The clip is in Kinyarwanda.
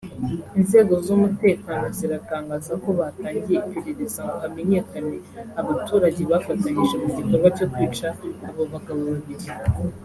Inzego z’umutekano ziratangaza ko batangiye iperereza ngo hamenyekane abaturage bafatanyije mu gikorwa cyo kwica abo bagabo babiri